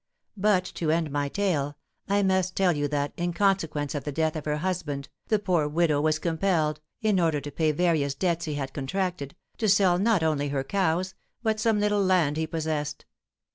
But, to end my tale, I must tell you that, in consequence of the death of her husband, the poor widow was compelled, in order to pay various debts he had contracted, to sell not only her cows but some little land he possessed.